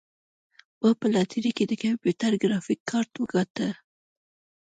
ما په لاټرۍ کې د کمپیوټر ګرافیک کارت وګاټه.